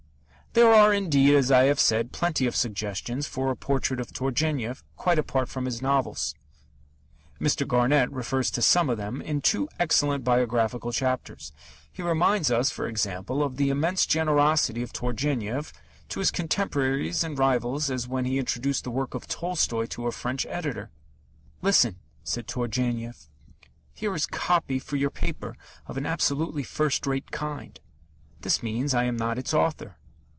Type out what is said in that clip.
There are, indeed, as I have said, plenty of suggestions for a portrait of Turgenev, quite apart from his novels. Mr. Garnett refers to some of them in two excellent biographical chapters. He reminds us, for example, of the immense generosity of Turgenev to his contemporaries and rivals, as when he introduced the work of Tolstoy to a French editor. "Listen," said Turgenev. "Here is 'copy' for your paper of an absolutely first rate kind. This means that I am not its author.